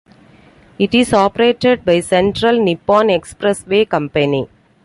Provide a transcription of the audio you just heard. It is operated by Central Nippon Expressway Company.